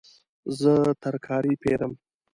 زه ترکاري پیرم